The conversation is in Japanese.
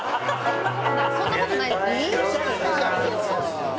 そんなことないですよね。